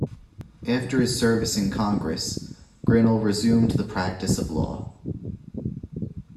After his service in Congress, Grinnell resumed the practice of law.